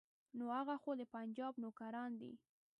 نو هغه خو د پنجاب نوکران دي.